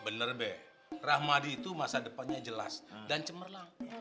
bener deh rahmadi itu masa depannya jelas dan cemerlang